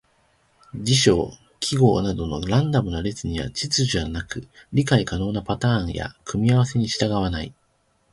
事象・記号などのランダムな列には秩序がなく、理解可能なパターンや組み合わせに従わない。